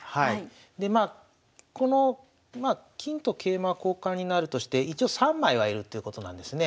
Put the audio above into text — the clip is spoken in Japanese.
でまあこの金と桂馬は交換になるとして一応３枚は居るっていうことなんですね。